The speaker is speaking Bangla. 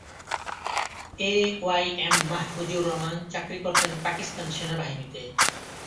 এ ওয়াই এম মাহফুজুর রহমান চাকরি করতেন পাকিস্তান সেনাবাহিনীতে।